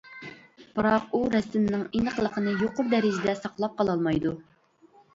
بىراق ئۇ رەسىمنىڭ ئېنىقلىقىنى يۇقىرى دەرىجىدە ساقلاپ قالالمايدۇ.